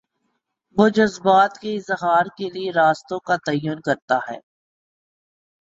وہ جذبات کے اظہار کے لیے راستوں کا تعین کرتا ہے۔